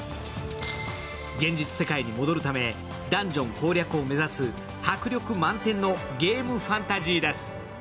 現実世界に戻るため、ダンジョン攻略を目指す迫力満点のゲームファンタジーです。